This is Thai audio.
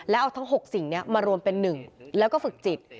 แล้วเอาทั้ง๖สิ่งมารวมเป็น๑แล้วก็ฝึกจิต